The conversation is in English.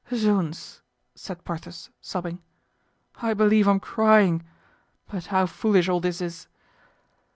"Zounds!" said Porthos, sobbing, "I believe I'm crying; but how foolish all this is!"